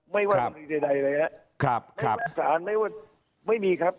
ไม่ว่าใดใดอะไรแหละครับครับไม่ว่าสารไม่ว่าไม่มีครับ